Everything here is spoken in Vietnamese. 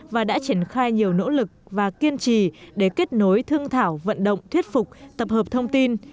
và đã triển khai nhiều nỗ lực và kiên trì để kết nối thương thảo vận động thuyết phục tập hợp thông tin